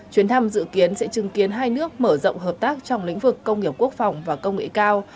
chuyến thăm dự kiến sẽ chứng kiến hai nước mở rộng hợp tác trong lĩnh vực công nghiệp quốc phòng và công nghệ cao